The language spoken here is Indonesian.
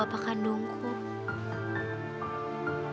ada apa yang nggak boleh diturut lo